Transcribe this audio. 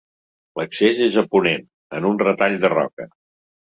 L'accés és a ponent, en un retall de roca.